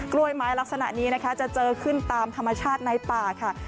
ล้วยไม้ลักษณะนี้นะคะจะเจอขึ้นตามธรรมชาติในป่าค่ะ